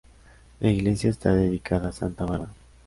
La iglesia está dedicada a Santa Bárbara.